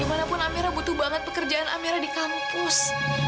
dimana pun amira butuh banget pekerjaan amira di kampus